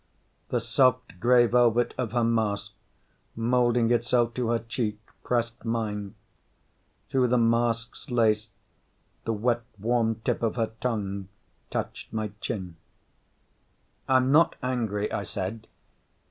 The soft gray velvet of her mask, molding itself to her cheek, pressed mine. Through the mask's lace the wet warm tip of her tongue touched my chin. "I'm not angry," I said.